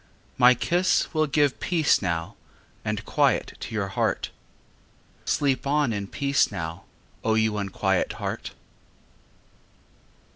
My kiss will give peace now And quiet to your heart— Sleep on in peace now, O you unquiet heart!